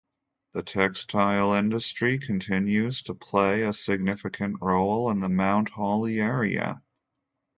The textile industry continues to play a significant role in the Mount Holly area.